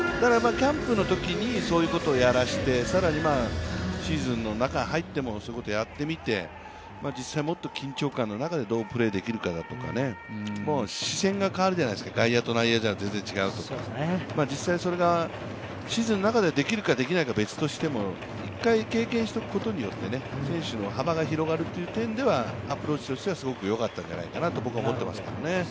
キャンプのときにそういうことをやらせて更にシーズンの中に入ってもそういうことをやってみて実際、もっと緊張感の中でどうプレーできるかとか視線が変わるじゃないですか、外野と内野じゃ全然違うとか、実際それがシーズンの中でできるか、できないかは別としても１回経験しておくことによって選手の幅が広がるという点ではアプローチとしてはすごくよかったんじゃないかなと僕は思ってますね。